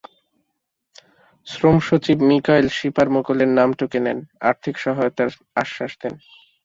শ্রমসচিব মিকাইল শিপার মুকুলের নাম টুকে নেন, আর্থিক সহায়তার আশ্বাস দেন।